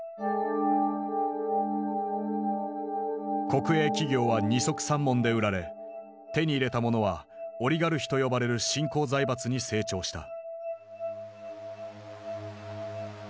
国営企業は二束三文で売られ手に入れた者はオリガルヒと呼ばれる新興財閥に成長した。